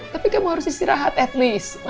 tapi kamu harus istirahat setidaknya